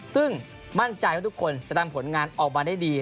ซึ่งมั่นใจว่าทุกคนจะทำผลงานออกมาได้ดี